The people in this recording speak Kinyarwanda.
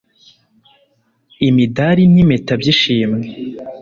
imidari n'impeta by'ishimwe